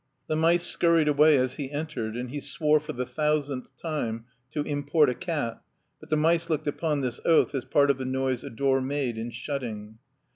The mice scurried away as he entered, and he swore for the thousandth time to im port a cat, but the mice looked upon this oath as part of the noise a door made in shutting.